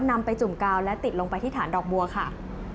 นำไปจุ่มกาวและติดลงไปที่ฐานดอกบัวค่ะ